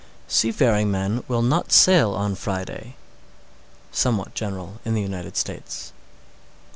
_ 614. Seafaring men will not sail on Friday. _Somewhat general in the United States.